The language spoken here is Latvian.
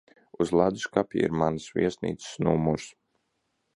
Uz ledusskapja ir manas viesnīcas numurs.